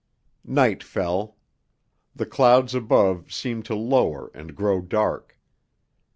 Night fell. The clouds above seemed to lower and grow dark.